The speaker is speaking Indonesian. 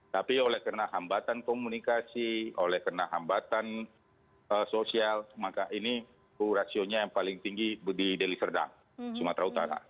tapi oleh karena hambatan komunikasi oleh karena hambatan sosial maka ini rasionya yang paling tinggi di deli serdang sumatera utara